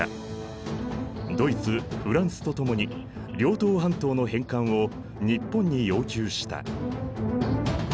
ドイツフランスとともに遼東半島の返還を日本に要求した。